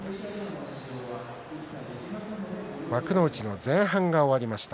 幕内の前半が終わりました。